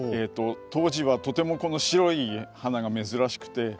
当時はとてもこの白い花が珍しくて。